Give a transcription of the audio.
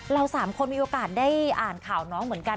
สามคนมีโอกาสได้อ่านข่าวน้องเหมือนกัน